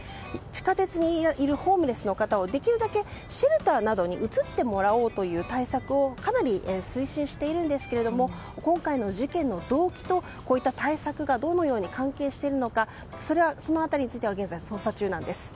地下鉄にいるホームレスの方にできるだけシェルターなどに移ってもらおうという対策をかなり推進していますが今回の事件の動機とこういった対策がどのように関係しているのかその辺りについては現在、捜査中なんです。